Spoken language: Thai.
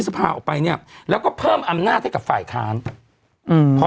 สภาออกไปเนี้ยแล้วก็เพิ่มอำนาจให้กับฝ่ายค้านอืมพอ